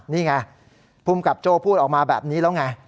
นี่ไงภูมิกับโจ้พูดออกมาแบบนี้แล้วไง